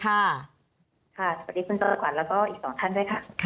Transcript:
สวัสดีคุณจราขวัญแล้วก็อีกสองท่านด้วยค่ะ